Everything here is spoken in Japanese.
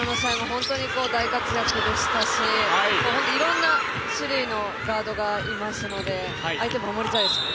本当に大活躍でしたし本当にいろんな種類のガードがいますので相手も守りづらいですね。